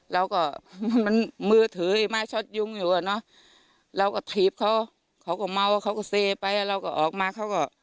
เราก็มันมือถือไม้ช็อตยุงอยู่อ่ะเนอะเราก็ถีบเขาเขาก็เมาเขาก็เซไปเราก็ออกมาเขาก็